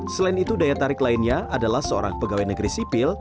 selain itu daya tarik lainnya adalah seorang pegawai negeri sipil